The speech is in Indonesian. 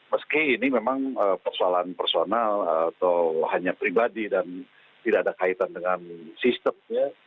meski ini memang persoalan personal atau hanya pribadi dan tidak ada kaitan dengan sistem ya